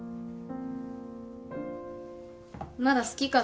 まだ好きかって？